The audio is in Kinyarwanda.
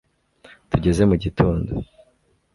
tugeze mu gitondo